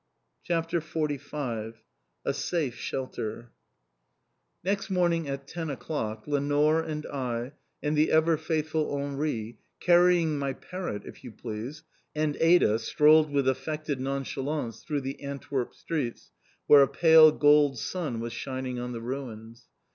CHAPTER XLV A SAFE SHELTER Next morning at ten o'clock, Lenore and I and the ever faithful Henri (carrying my parrot, if you please!) and Ada strolled with affected nonchalance through the Antwerp streets where a pale gold sun was shining on the ruins.